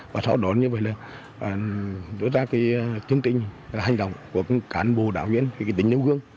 và sau đó như vậy là đưa ra cái chương trình hành động của cán bộ đảng viên về cái tính nêu gương